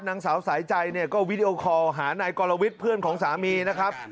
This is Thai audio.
นางสาวสายใจเนี่ยก็วิดีโอคอลหานายกรวิทย์เพื่อนของสามีนะครับ